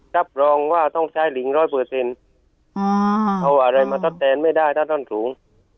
รับรองว่าต้องใช้ลิงร้อยเปอร์เซ็นต์เอาอะไรมาทดแทนไม่ได้ถ้าท่อนสูง